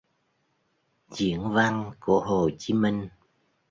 Diễn văn của Hồ Chí Minh